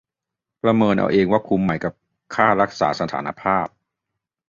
ประเมินเอาเองว่าคุ้มไหมกับค่ารักษาสภานภาพ